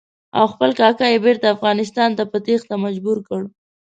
او خپل کاکا یې بېرته افغانستان ته په تېښته مجبور کړ.